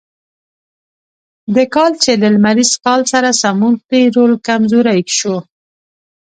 د کال چې له لمریز کال سره سمون خوري رول کمزوری شو.